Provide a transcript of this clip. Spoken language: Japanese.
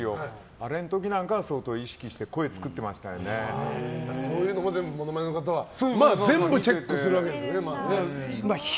あれの時は相当意識してそういうのも全部モノマネの方はチェックするわけですね。